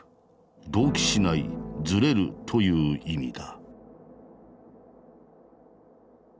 同期しないズレるという意味だ。